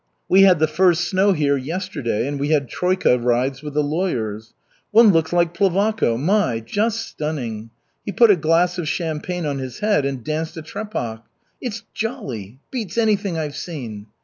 We had the first snow here yesterday, and we had troika rides with the lawyers. One looks like Plevako my! just stunning! He put a glass of champagne on his head and danced a trepak. It's jolly, beats anything I've seen!